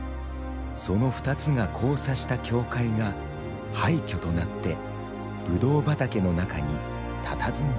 その２つが交差した教会が廃虚となってぶどう畑の中にたたずんでいます。